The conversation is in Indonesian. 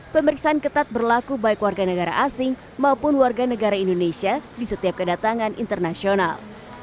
pemeriksaan ketat berlaku baik warga negara asing maupun warga negara indonesia di setiap kedatangan internasional